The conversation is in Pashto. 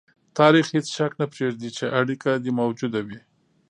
تاریخ هېڅ شک نه پرېږدي چې اړیکه دې موجوده وي.